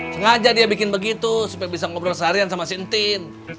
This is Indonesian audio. sengaja dia bikin begitu supaya bisa ngobrol seharian sama sintin